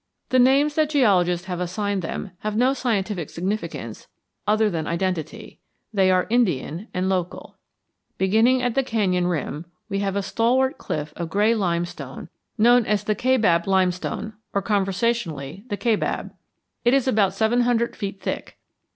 The names that geologists have assigned them have no scientific significance other than identity; they are Indian and local. Beginning at the canyon rim we have a stalwart cliff of gray limestone known as the Kaibab Limestone, or, conversationally, the Kaibab; it is about seven hundred feet thick.